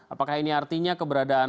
apakah ini artinya keberadaan